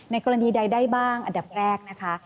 กรณีใดได้บ้างอันดับแรกนะคะ